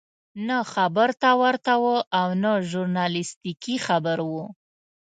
نه خبر ته ورته وو او نه ژورنالستیکي راپور وو.